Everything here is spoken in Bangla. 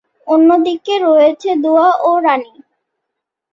অন্যদিকে রয়েছে দুয়া ও রানি।